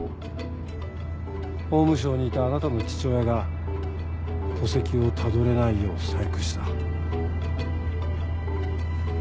法務省にいたあなたの父親が戸籍をたどれないよう細工した。